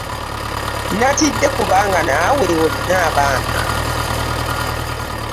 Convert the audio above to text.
Natidde kubanga nawe olina abaana.